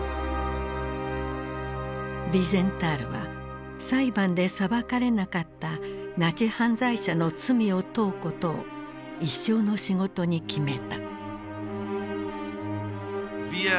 ヴィーゼンタールは裁判で裁かれなかったナチ犯罪者の罪を問うことを一生の仕事に決めた。